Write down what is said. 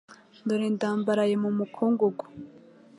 Dore ndambaraye mu mukungugu